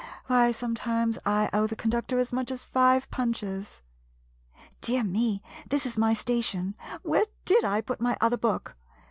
Why, sometimes I owe the con ductor as much as five punches! Dear me! this is my station! Where did I put my other book?